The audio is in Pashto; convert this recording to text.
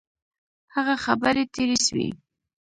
هغه خبري تیري سوې.